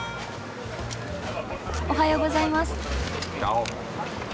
おはようございます。